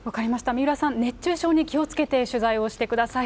三浦さん、熱中症に気をつけて取材をしてください。